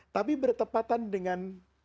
tapi bertepatan dengan